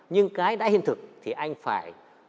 nhưng cái đã hiện thực thì anh phải